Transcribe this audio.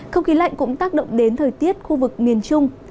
không khí lạnh cũng tác động đến thời tiết khu vực miền trung